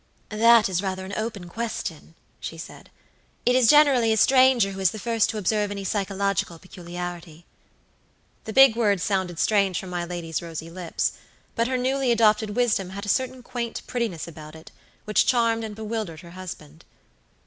"That is rather an open question," she said. "It is generally a stranger who is the first to observe any psychological peculiarity." The big words sounded strange from my lady's rosy lips; but her newly adopted wisdom had a certain quaint prettiness about it, which charmed and bewildered her husband.